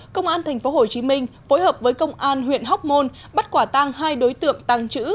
công an tp hcm phối hợp với công an huyện hóc môn bắt quả tang hai đối tượng tăng chữ